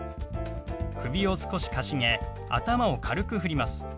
首を少しかしげ頭を軽くふります。